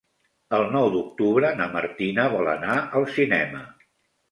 El nou d'octubre na Martina vol anar al cinema.